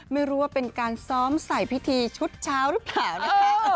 ไม่รู้ว่าเป็นการซ้อมใส่พิธีชุดเช้าหรือเปล่านะคะ